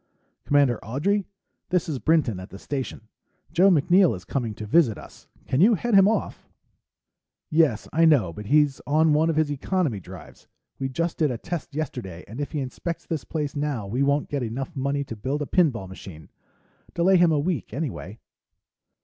"Commander Audrey? This is Brinton at the Station. Joe MacNeill is coming to visit us. Can you head him off?... "Yes, I know, but he's on one of his economy drives. We just did a test yesterday and if he inspects this place now, we won't get enough money to build a pinball machine. Delay him a week, anyway....